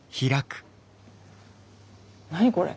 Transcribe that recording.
何これ？